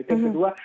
itu yang kedua